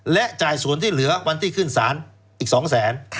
และจ่ายส่วนที่เหลือวันที่ขึ้นศาลอีก๒แสน